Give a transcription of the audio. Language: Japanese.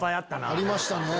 ありましたね。